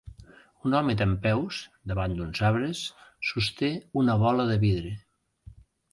Un home dempeus, davant d'uns arbres, sosté una bola de vidre.